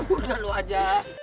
udah lu aja